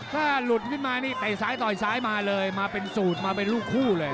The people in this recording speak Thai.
ถ้ารุดเข้ามาก็ตะสายตอยสายมาเป็นโหสุดมาเป็นลูกคู่เลย